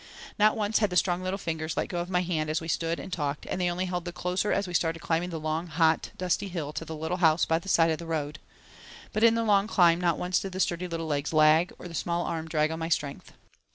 Not once had the strong little fingers let go of my hand as we stood and talked and they only held the closer as we started climbing the long, hot dusty hill to the Little House by the Side of the Road. But in the long climb not once did the sturdy little legs lag or the small arm drag on my strength.